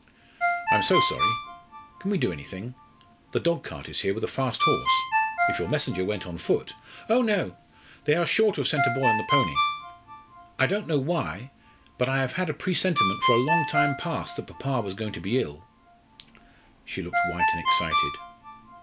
"I am so sorry! Can we do anything? The dogcart is here with a fast horse. If your messenger went on foot " "Oh, no! they are sure to have sent the boy on the pony. I don't know why, but I have had a presentiment for a long time past that papa was going to be ill." She looked white and excited.